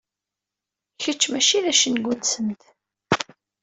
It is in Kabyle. Kečč mačči d acengu-nsent.